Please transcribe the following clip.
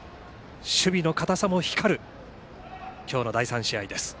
守備の堅さも光る今日の第３試合です。